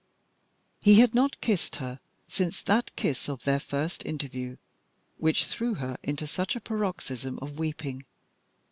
He had not kissed her since that kiss at their first interview, which threw her into such a paroxysm of weeping.